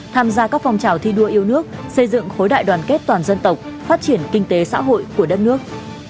tham gia các phong trào thi đua yêu nước xây dựng khối đại đoàn kết toàn dân tộc phát triển kinh tế xã hội của đất nước